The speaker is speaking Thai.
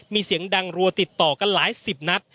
มีเสียงดังรัวติดต่อกันหลายสิบนัด